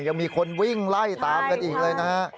ยังมีคนวิ่งไล่ตามกันอีกเลยนะฮะ